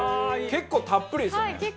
結構たっぷりですよね。